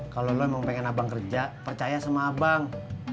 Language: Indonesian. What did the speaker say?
kalau lo emang pengen abang kerja percaya sama abang